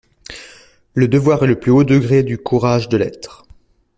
Le devoir est le plus haut degré du courage de l’être.